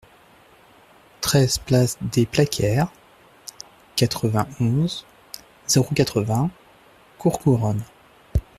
treize place des Plaquères, quatre-vingt-onze, zéro quatre-vingts, Courcouronnes